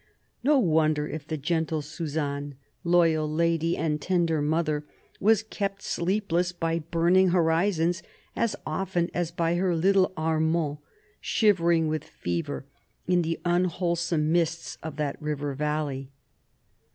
No wonder if the gentle Suzanne, " loyal lady " and tender mother, was kept sleepless by burning horizons as often as by her little Armand, shivering with fever in the unwhole some mists of that river valley.